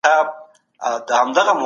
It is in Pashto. ولي ریښتیني خوښي تل له دننه څخه پیلیږي؟